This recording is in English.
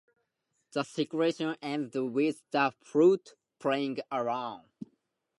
The section ends with the flute playing alone.